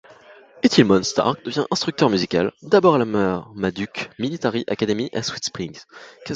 Etilmon Stark devient instructeur musical, d’abord à la Marmaduke Military Academy à Sweet Springs.